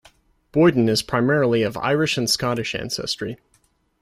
Boyden is primarily of Irish and Scottish ancestry.